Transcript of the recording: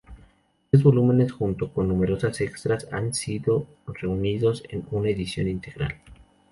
Los tres volúmenes, junto con numerosos extras, han sido reunidos en una edición integral.